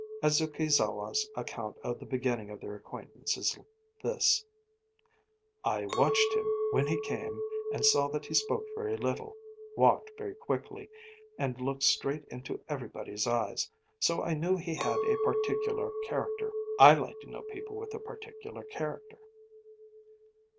Adzukizawa's account of the beginning of their acquaintance is this: 'I watched him when he came and saw that he spoke very little, walked very quickly, and looked straight into everybody's eyes. So I knew he had a particular character. I like to know people with a particular character.'